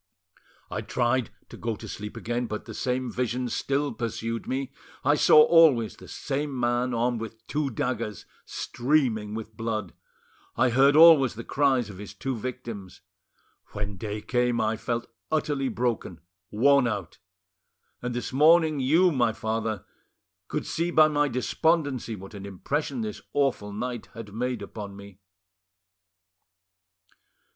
I tried to go to sleep again, but the same visions still pursued me. I saw always the same man armed with two daggers streaming with blood; I heard always the cries of his two victims. When day came, I felt utterly broken, worn out; and this morning, you, my father, could see by my despondency what an impression this awful night had made upon me."